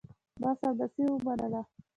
ما سمدستي ومنله.